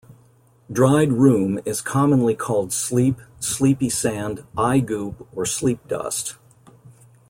Dried rheum is commonly called sleep, sleepy sand, eye goop or sleep dust.